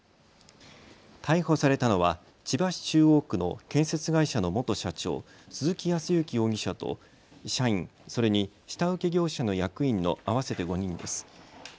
逮捕されたのは千葉市中央区の建設会社の元社長、鈴木康之容疑者と社員、それに下請け業者の役員の合わせて５人です。